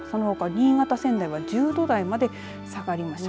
新潟、仙台は１０度台まで下がりました。